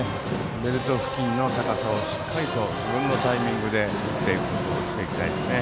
ベルト付近の高さをしっかり自分のタイミングで振っていきたいですね。